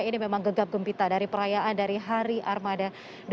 ini memang gegap gempita dari perayaan dari hari armada dua ribu dua puluh satu